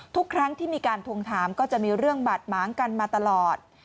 ทุกครั้งที่มีการทวงถามก็จะมีเรื่องบาดหมางกันมาตลอด